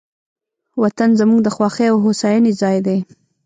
وطن زموږ د خوښۍ او هوساینې ځای دی.